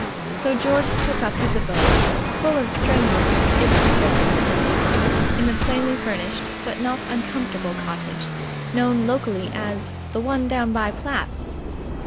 So George took up his abode, full of strenuous if vague purpose, in the plainly furnished but not uncomfortable cottage known locally as "the one down by Platt's."